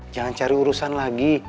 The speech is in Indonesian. jangan cari urusan lagi